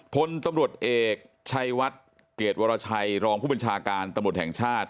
พลตำรวจเอกชัยวัดเกรดวรชัยรองผู้บัญชาการตำรวจแห่งชาติ